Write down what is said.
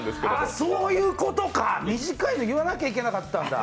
そういうことか、短いの、言わなきゃいけなかったんだ。